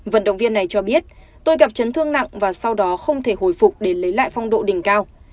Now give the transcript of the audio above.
vận động viên này cho biết tôi gặp chấn thương nặng và sau đó không thể hồi phục để lấy lại phong độ đỉnh cao